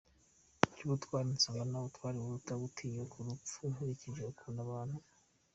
cyubutwari nsanga nta butwari buruta gutinyuka urupfu nkurikije ukuntu abantu.